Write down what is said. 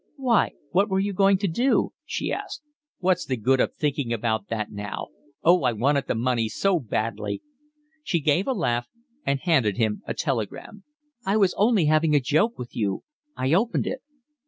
"Why, what were you going to do?" she asked. "What's the good of thinking about that now? Oh, I wanted the money so badly." She gave a laugh and handed him a telegram. "I was only having a joke with you. I opened it."